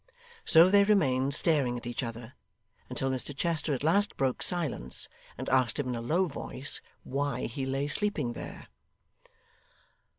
So they remained staring at each other, until Mr Chester at last broke silence, and asked him in a low voice, why he lay sleeping there.